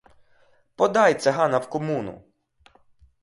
Подай цигана в комуну!